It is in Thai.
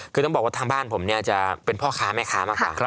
คือต้องบอกว่าทางบ้านผมเนี่ยจะเป็นพ่อค้าแม่ค้ามากกว่า